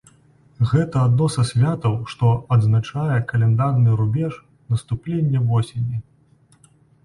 Гэта адно са святаў, што адзначае каляндарны рубеж, наступленне восені.